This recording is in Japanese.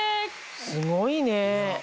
すごいね！